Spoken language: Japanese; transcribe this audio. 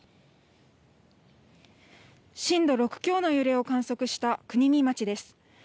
震度６強の揺れを観測した国見町です。